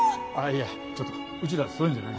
いやちょっとうちらそういうのじゃないから。